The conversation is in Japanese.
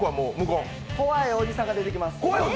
怖いおじさんが出てきます。